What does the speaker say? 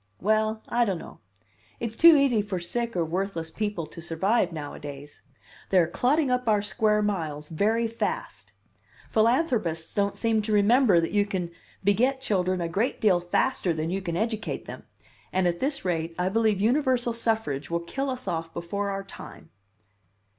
"Well, I don't know. It's too easy for sick or worthless people to survive nowadays. They are clotting up our square miles very fast. Philanthropists don't seem to remember that you can beget children a great deal faster than you can educate them; and at this rate I believe universal suffrage will kill us off before our time."